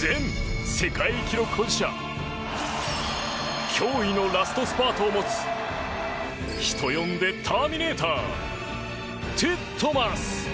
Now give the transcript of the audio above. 前世界記録保持者驚異のラストスパートを持つ人呼んでターミネーターティットマス。